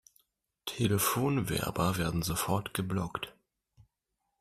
Telefonwerber werden sofort geblockt.